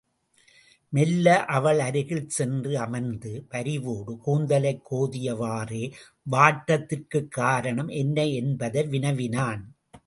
மெல்ல அவள் அருகில் சென்று அமர்ந்து, பரிவோடு கூந்தலைக் கோதியவாறே வாட்டத்திற்குக் காரணம் என்ன என்பதை வினவினான்.